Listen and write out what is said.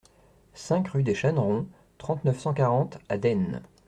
cinq rue des Chanerons, trente-neuf, cent quarante à Desnes